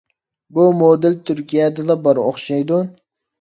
بۇ مودېل تۈركىيەدىلا بار ئوخشايدۇ.